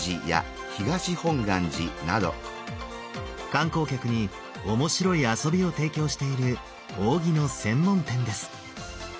観光客に面白い遊びを提供している扇の専門店です。